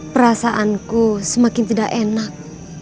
perasaanku semakin tidak enak